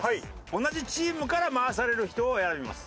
同じチームから回される人を選びます。